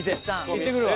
行ってくるわ。